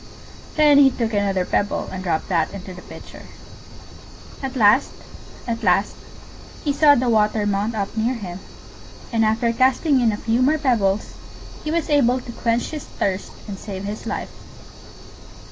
Then he took another pebble and dropped that into the Pitcher. At last, at last, he saw the water mount up near him; and after casting in a few more pebbles he was able to quench his thirst and save his life.